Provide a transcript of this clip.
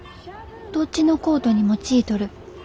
どっちのコートにもちいとる。